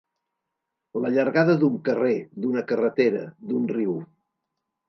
La llargada d'un carrer, d'una carretera, d'un riu.